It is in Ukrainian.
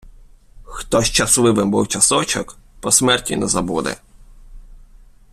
Хто щасливим був часочок, по смерті не забуде